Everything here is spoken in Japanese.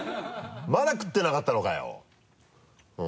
まだ食ってなかったのかよ。